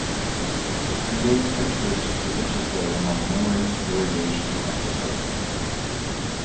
It creates interest through interplay among "memory, variation, and progression".